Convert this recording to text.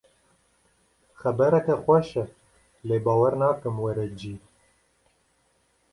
Xebereke xweş e lê bawer nakim were cî.